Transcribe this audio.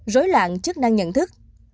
rối loạn chức năng nhận thức